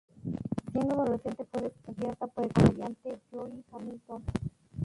Siendo adolescente fue "descubierta" por el comediante Lloyd Hamilton.